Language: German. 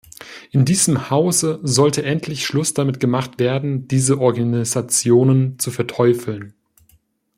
In diesem Hause sollte endlich Schluss damit gemacht werden, diese Organisationen zu verteufeln.